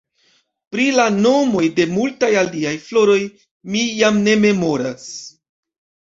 Pri la nomoj de multaj aliaj floroj mi jam ne memoras.